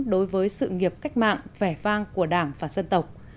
đối với sự nghiệp cách mạng vẻ vang của đảng và dân tộc